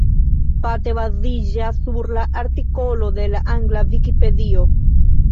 Parte baziĝas sur la artikolo en la angla Vikipedio.